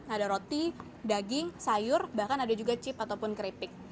ada roti daging sayur bahkan ada juga chip ataupun keripik